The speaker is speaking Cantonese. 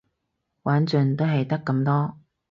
玩盡都係得咁多